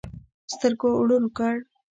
سترګو ړوند کړ.